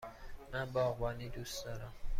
من باغبانی دوست دارم.